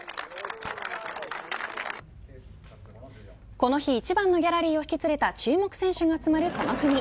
この日一番のギャラリーを引き連れた注目選手が集まるこの組。